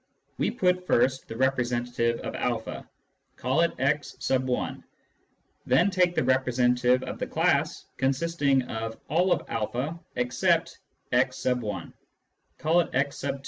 We put first the representative of a ; call it x r Then take the representative of the class consisting of all of a except %; call it x 2 .